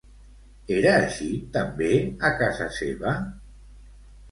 Era així també a casa seva?